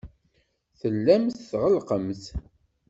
Tellamt tɣellqemt.